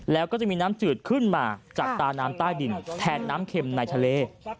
แล้วก็จะมีน้ำจืดขึ้นมาจากตาน้ำใต้ดินแทนน้ำเข็มในทะเล